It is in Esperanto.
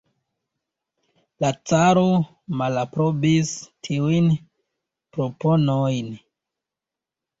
La caro malaprobis tiujn proponojn.